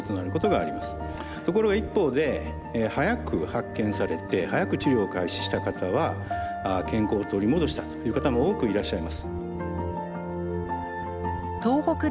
ところが一方で早く発見されて早く治療を開始した方は健康を取り戻したという方も多くいらっしゃいます。